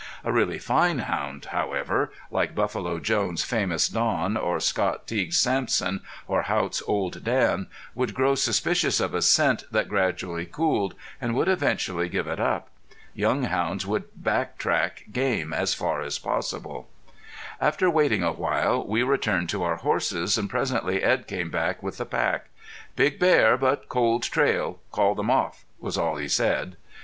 A really fine hound, however, like Buffalo Jones' famous Don, or Scott Teague's Sampson or Haught's Old Dan, would grow suspicious of a scent that gradually cooled, and would eventually give it up. Young hounds would back track game as far as possible. After waiting a while we returned to our horses, and presently Edd came back with the pack. "Big bear, but cold trail. Called them off," was all he said.